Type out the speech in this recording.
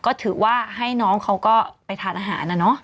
ก็ถือว่าให้น้องเขาก็ไปทานอาหารนะเนาะ